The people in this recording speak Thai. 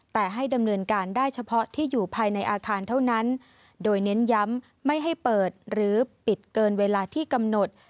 แต่ให้ดำเนินการได้เฉพาะที่อยู่ภายในอาคารเท่านั้นโดยเน้นย้ำไม่ให้เปิดหรือปิดเกินเวลาที่กำหนด